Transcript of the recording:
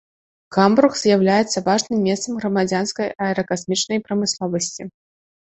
Гамбург, з'яўляецца важным месцам грамадзянскай аэракасмічнай прамысловасці.